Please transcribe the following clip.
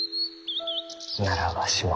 ならわしも。